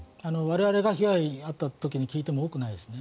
我々が被害に遭った方に聞いてもそんなに多くないです。